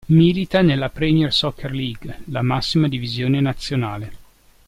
Milita nella Premier Soccer League, la massima divisione nazionale.